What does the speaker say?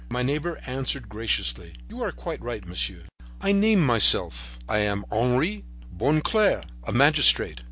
My neighbor answered graciously: "You are quite right, monsieur." I named myself: "I am Henri Bonclair, a magistrate."